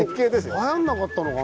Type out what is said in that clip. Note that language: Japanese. はやんなかったのかなぁ？